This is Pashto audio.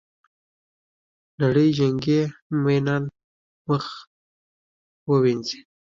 نړۍ جنګي میینان مخ ووینځي.